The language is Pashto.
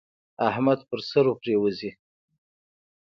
احمد پر سرو پرېوزي.